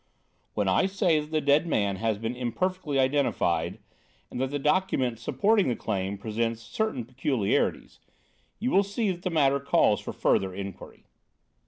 When I say that the dead man has been imperfectly identified, and that the document supporting the claim presents certain peculiarities, you will see that the matter calls for further inquiry."